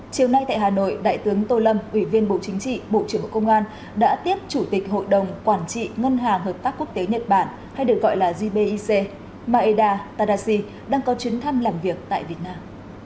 chiều nay tại hà nội đại tướng tô lâm ủy viên bộ chính trị bộ trưởng bộ công an đã tiếp chủ tịch hội đồng quản trị ngân hàng hợp tác quốc tế nhật bản hay được gọi là gbic maeda tadashi đang có chuyến thăm làm việc tại việt nam